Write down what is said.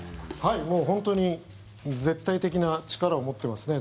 本当に絶対的な力を持ってますね。